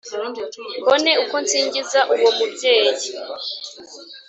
mbone uko nsingiza uwo mubyeyi